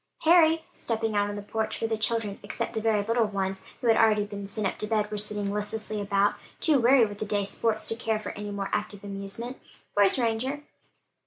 "Harry," stepping out on the porch where the children, except the very little ones, who had already been sent up to bed, were sitting listlessly about, too weary with the day's sports to care for anymore active amusement, "where's Ranger?"